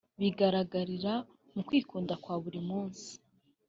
Bigaragarira mu kwikunda kwa buri munsi